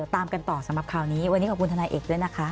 ตามกันต่อสำหรับข่าวนี้วันนี้ขอบคุณทนายเอกด้วยนะคะ